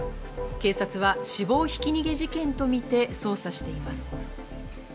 警察は死亡ひき逃げ事件とみて捜査しています。